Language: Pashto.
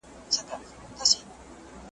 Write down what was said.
راسه که راځې وروستی سهار دی بیا به نه وینو .